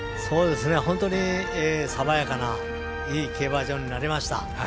本当に爽やかないい競馬場になりました。